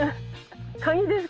カニです。